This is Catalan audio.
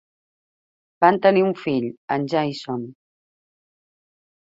Van tenir un fill, en Jason.